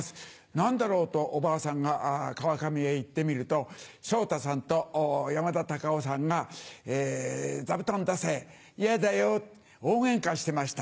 何だろう？とおばあさんが川上へ行ってみると昇太さんと山田隆夫さんが「座布団出せ」「嫌だよ！」って大ゲンカしてました。